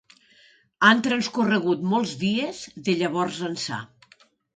Han transcorregut molts dies, de llavors ençà.